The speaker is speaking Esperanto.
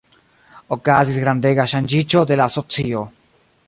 Okazis grandega ŝanĝiĝo de la socio.